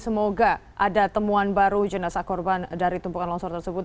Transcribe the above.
semoga ada temuan baru jenazah korban dari tumpukan longsor tersebut